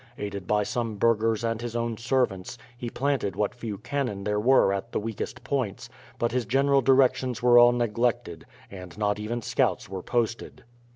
Aided by some burghers and his own servants, he planted what few cannon there were at the weakest points; but his general directions were all neglected, and not even scouts were posted.